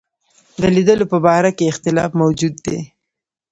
د لیدلو په باره کې اختلاف موجود دی.